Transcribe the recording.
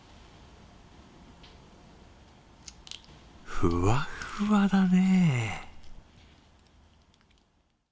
ふわっふわだね。